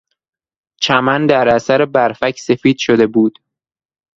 چمن در اثر برفک سفید شده بود.